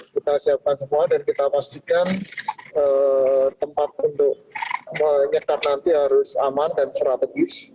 kita siapkan semua dan kita pastikan tempat untuk menyekat nanti harus aman dan strategis